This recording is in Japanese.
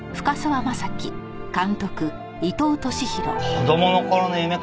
子供の頃の夢か。